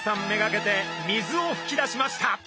目がけて水をふき出しました。